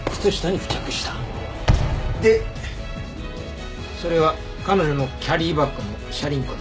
でそれは彼女のキャリーバッグの車輪痕だ。